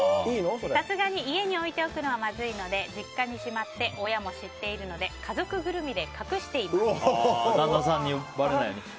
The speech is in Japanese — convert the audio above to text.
さすがに家に置いておくのはまずいので実家にしまって親も知っているので旦那さんにばれないように。